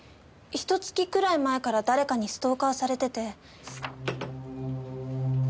ひと月くらい前から誰かにストーカーされてて。